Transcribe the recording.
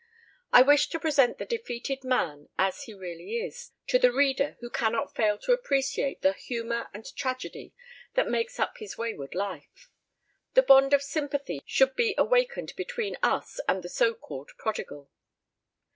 I wish to present the defeated man, as he really is, to the reader who cannot fail to appreciate the humor and tragedy that makes up his wayward life. The bond of sympathy should be awakened between us and the so called prodigal.